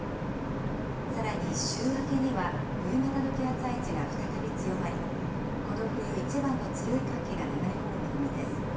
さらに、週明けには冬型の気圧配置が再び強まり、この冬一番の強い寒気が流れ込む見込みです。